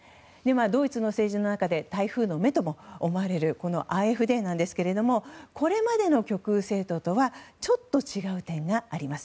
ドイツの政治の中で台風の目とも思われるこのＡｆＤなんですがこれまでの極右政党とはちょっと違う点があります。